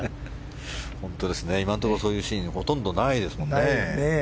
今のところそういうシーンほとんどないですもんね。